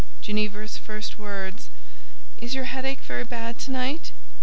Ginevra's first words—"Is your headache very bad to night?"